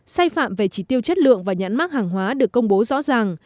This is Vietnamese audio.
say phạm về chỉ tiêu chất lượng và nhãn mắc hàng hóa được công bố rõ ràng